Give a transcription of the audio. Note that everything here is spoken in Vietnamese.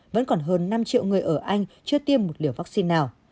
vẫn còn hơn năm triệu người ở anh chưa tiêm một liều vaccine nào